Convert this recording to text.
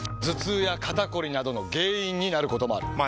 頭痛や肩こりなどの原因になることもある。